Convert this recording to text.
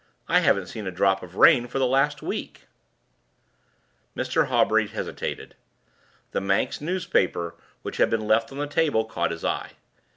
I haven't seen a drop of rain for the last week." Mr. Hawbury hesitated. The Manx newspaper which had been left on the table caught his eye.